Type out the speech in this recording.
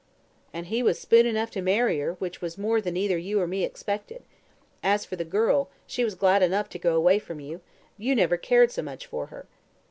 "And he was spoon enough to marry her, which was more than either you or me expected. As for the girl, she was glad enough to go away from you; you never cared so much for her."